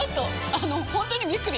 あの本当にびっくり！